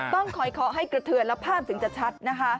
ต้องคอยเคาะให้กระเทือนแล้วภาพถึงจะชัดนะคะ